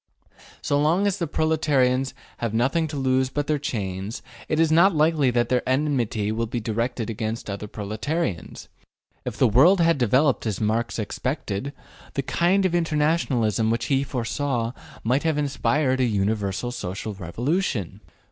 So long as the proletarians have nothing to lose but their chains, it is not likely that their enmity will be directed against other proletarians. If the world had developed as Marx expected, the kind of internationalism which he foresaw might have inspired a universal social revolution.